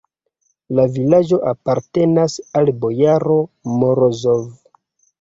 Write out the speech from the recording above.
La vilaĝo apartenas al bojaro Morozov!